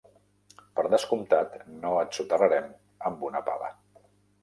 Per descomptat, no et soterrarem amb una pala.